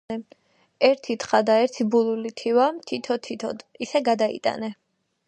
ერთი თხა და ერთი ბულული თივა თითო-თითოდ ისე გადაიტანე